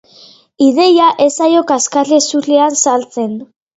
Ideia ez zaio kaskezurrean sartzen.